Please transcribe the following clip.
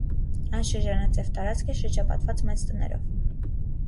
Այն շրջանաձև տարածք է՝ շրջապատված մեծ տներով։